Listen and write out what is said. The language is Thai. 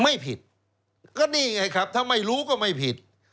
ไม่ผิดก็นี่ไงครับถ้าไม่รู้ก็ไม่ผิด